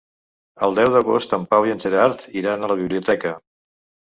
El deu d'agost en Pau i en Gerard iran a la biblioteca.